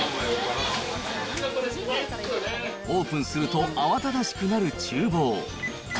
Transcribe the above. オープンすると、慌ただしくなるちゅう房。